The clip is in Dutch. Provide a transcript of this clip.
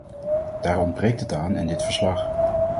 Daar ontbreekt het aan in dit verslag.